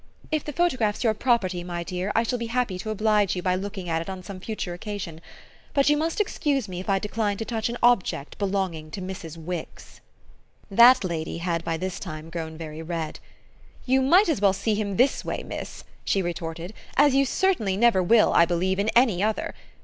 "If the photograph's your property, my dear, I shall be happy to oblige you by looking at it on some future occasion. But you must excuse me if I decline to touch an object belonging to Mrs. Wix." That lady had by this time grown very red. "You might as well see him this way, miss," she retorted, "as you certainly never will, I believe, in any other!